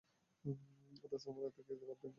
অথচ তোমরাই তো কিতাব অধ্যয়ন কর।